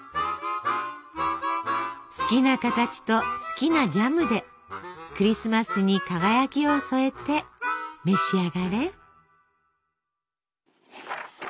好きな形と好きなジャムでクリスマスに輝きを添えて召し上がれ！